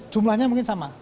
jumlahnya mungkin sama